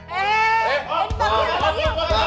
heey eh bagian bagian